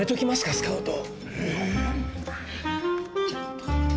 スカウト。